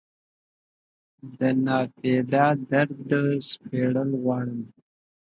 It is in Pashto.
دناپیدا دردو سپړل غواړم